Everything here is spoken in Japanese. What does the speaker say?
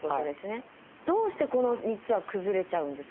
どうしてこの３つは崩れちゃうんですか？